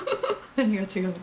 何が違うの？